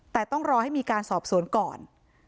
แต่ต้องรอให้มีการสอบสวนก่อน